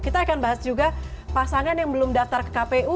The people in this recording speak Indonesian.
kita akan bahas juga pasangan yang belum daftar ke kpu